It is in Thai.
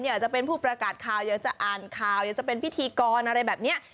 อยากจะเป็นผู้ประกาศข่าวอยากจะอ่านข่าวอยากจะเป็นพิธีกรอะไรแบบนี้